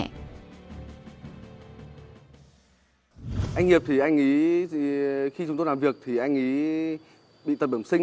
tìm hiểu từ người con trai của nạn nhân tôi được biết do bị dị tật bẩm sinh